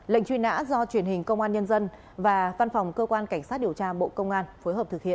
lệnh truy nã do truyền hình công an nhân dân và văn phòng cơ quan cảnh sát điều tra bộ công an phối hợp thực hiện